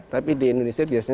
tapi di indonesia biasanya